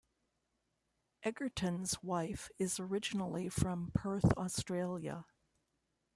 Egerton's wife is originally from Perth, Australia.